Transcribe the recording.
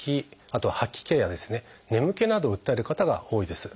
あとは「吐き気」や「眠気」などを訴える方が多いです。